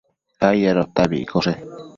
ai adota abi iccoshe